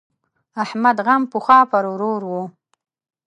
احمد غم پخوا پر ورور وو.